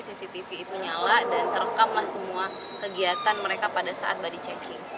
cctv itu nyala dan terekamlah semua kegiatan mereka pada saat body checking